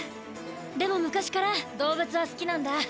でも昔から動物は好きなんだ。